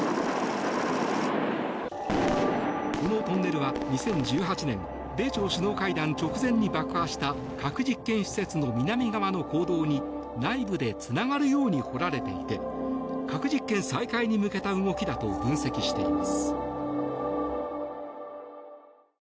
このトンネルは、２０１８年米朝首脳会談直前に爆破した核実験施設の南側の坑道に内部でつながるように掘られていて核実験再開に向けた動きだと分析しています。